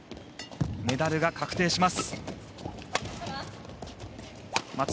メダルが確定します。